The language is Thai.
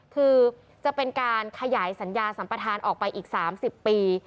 คือจะเป็นการขยายสัญญาสัมปทานออกไปอีก๓๐ปี